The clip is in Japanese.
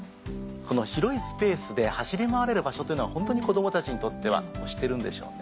この広いスペースで走り回れる場所というのは本当に子供たちにとっては欲してるんでしょうね。